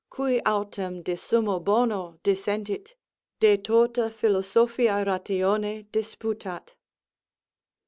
_Qui autem de summo bono dissentit, de totâ philosophies ratione disputât.